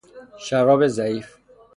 شراب ضعیف